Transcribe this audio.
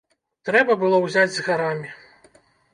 Трэба было ўзяць з гарамі!